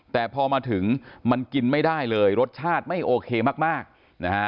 แต่พอมาถึงมันกินไม่ได้เลยรสชาติไม่โอเคมากนะฮะ